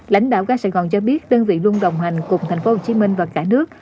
lãnh đạo ga sài gòn cho biết đơn vị luôn đồng hành cùng tp hcm và cả nước